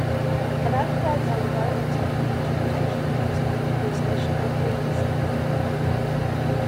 An outcry by environmental and nature protection groups caused nationwide protests against the project.